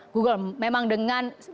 google memang dengan